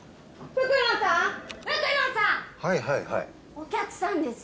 お客さんです。